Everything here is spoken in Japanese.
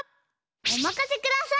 おまかせください！